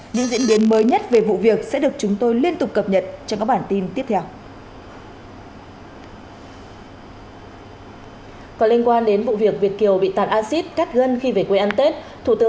những diễn biến mới nhất về vụ việc sẽ được chúng tôi liên tục cập nhật trong các bản tin tiếp theo